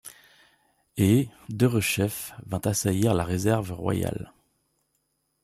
Et, de rechief, vint assaillir la réserve royale.